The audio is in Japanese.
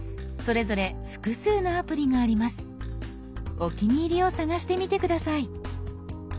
お気に入りを探してみて下さい。